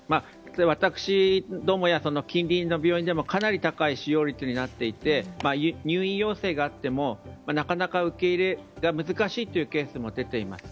私どもや近隣の病院でもかなり高い使用率になっていて入院要請があってもなかなか受け入れが難しいケースも出ています。